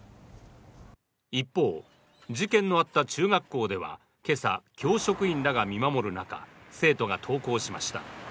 一方、事件のあった中学校では今朝、教職員らが見守る中、生徒が登校しました。